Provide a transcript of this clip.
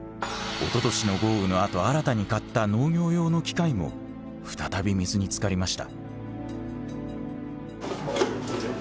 おととしの豪雨のあと新たに買った農業用の機械も再び水につかりました。